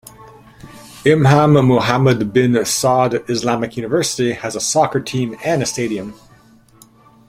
Imam Muhammad bin Saud Islamic University has a soccer team and a stadium.